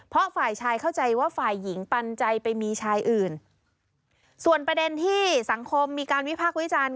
เพราะฝ่ายชายเข้าใจว่าฝ่ายหญิงปันใจไปมีชายอื่นส่วนประเด็นที่สังคมมีการวิพากษ์วิจารณ์